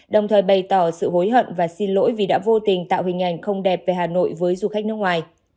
đồng thời bày tỏ sự hối hận và xin lỗi vì đã vô tình tạo hình ảnh không đẹp về hà nội với du khách nước ngoài